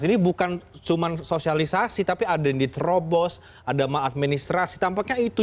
ini bukan cuma sosialisasi tapi ada yang diterobos ada maladministrasi tampaknya itu